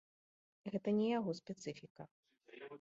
Гэта не яго спецыфіка.